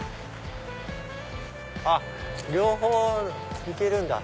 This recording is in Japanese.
あっ両方行けるんだ。